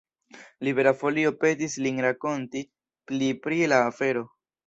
Libera Folio petis lin rakonti pli pri la afero.